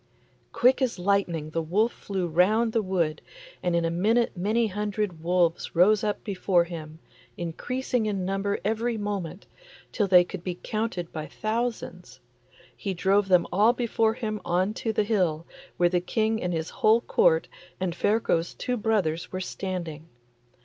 Quick as lightning the wolf flew round the wood, and in a minute many hundred wolves rose up before him, increasing in number every moment, till they could be counted by thousands. He drove them all before him on to the hill, where the King and his whole Court and Ferko's two brothers were standing.